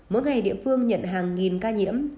mỗi ngày địa phương nhận hàng nghìn ca nhiễm